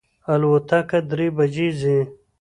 الوتکه درې بجی ځي